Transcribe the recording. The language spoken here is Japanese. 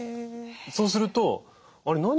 そうするとあれ？